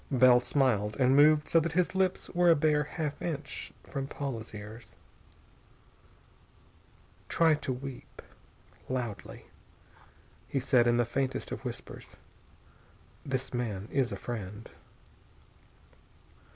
Bell smiled, and moved so that his lips were a bare half inch from Paula's ears. "Try to weep, loudly," he said in the faintest of whispers. "This man is a friend."